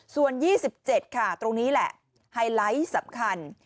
ส่วน๒๗ค่ะตรงนี้แหละไฮไลท์สำคัญ